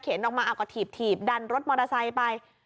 เขนออกมาก็ถีบดันรถมอเตอร์ไซส์ไป